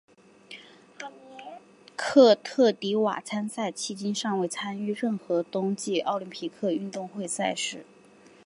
科特迪瓦参赛迄今尚未参与任何冬季奥林匹克运动会赛事。